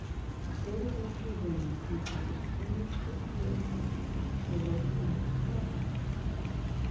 Rare winter rains can cause extremely slippery road surfaces or localized flooding.